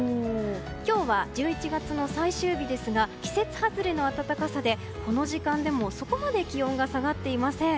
今日は１１月の最終日ですが季節外れの暖かさでこの時間でもそこまで気温が下がっていません。